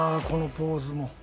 このポーズも。